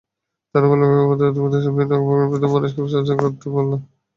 তাঁরা বাল্যবিবাহ, যৌতুক প্রথাসহ বিভিন্ন অপকর্মের বিরুদ্ধে মানুষকে সচেতন করে তুলতে পারবে।